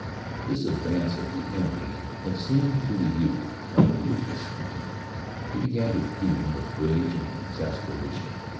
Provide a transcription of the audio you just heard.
This advance of the enemy had seemed to the youth like a ruthless hunting. He began to fume with rage and exasperation.